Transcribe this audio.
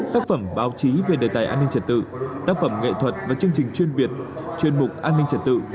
tác phẩm báo chí về đề tài an ninh trật tự tác phẩm nghệ thuật và chương trình chuyên biệt chuyên mục an ninh trật tự